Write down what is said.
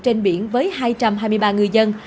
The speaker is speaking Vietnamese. trên biển với hai trăm hai mươi ba ngư dân